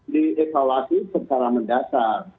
di evaluasi secara mendasar